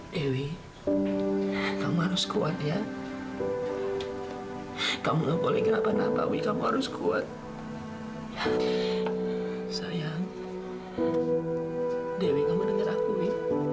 dewi kamu harus kuat ya kamu boleh kenapa kenapa kamu harus kuat sayang dewi